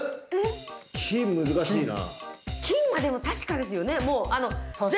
金難しいな。